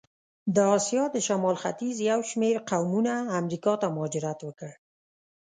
د آسیا د شمال ختیځ یو شمېر قومونه امریکا ته مهاجرت وکړ.